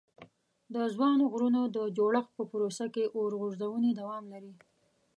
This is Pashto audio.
د ځوانو غرونو د جوړښت په پروسه کې اور غورځونې دوام لري.